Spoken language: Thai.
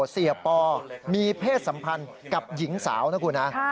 เสียปอมีเพศสัมพันธ์กับหญิงสาวนะคุณฮะ